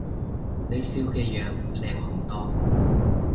你笑嘅樣靚好多